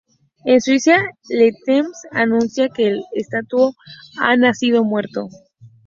En Suiza, "Le Temps" anuncia que el Estatuto "ha nacido muerto".